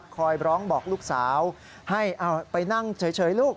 ร้องบอกลูกสาวให้ไปนั่งเฉยลูก